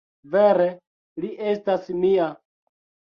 Vere li estas mia.